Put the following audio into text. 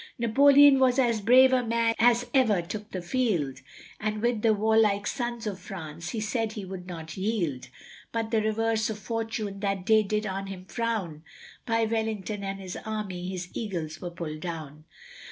Napoleon was as brave a man as ever took the field, And with the warlike sons of France he said he would not yield; But the reverse of fortune that day did on him frown, By Wellington and his army his eagles were pulled down.